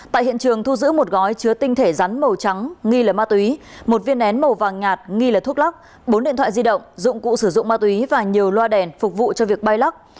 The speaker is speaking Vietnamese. tại hiện trường thu giữ một gói chứa tinh thể rắn màu trắng nghi là ma túy một viên nén màu vàng nhạt nghi là thuốc lắc bốn điện thoại di động dụng cụ sử dụng ma túy và nhiều loa đèn phục vụ cho việc bay lắc